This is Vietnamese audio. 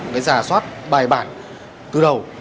một cái giả soát bài bản từ đầu